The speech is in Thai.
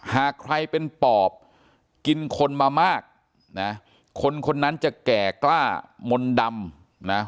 หากใครเป็นปอบกินคนมามากนะคนคนนั้นจะแก่กล้ามนต์ดำนะ